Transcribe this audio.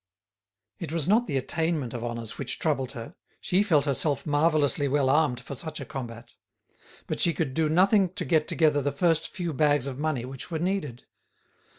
It was not the attainment of honours which troubled her; she felt herself marvellously well armed for such a combat. But she could do nothing to get together the first few bags of money which were needed.